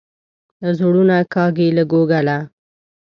زړونه کاږي له کوګله.